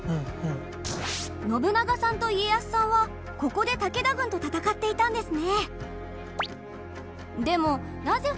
信長さんと家康さんはここで武田軍と戦っていたんですね。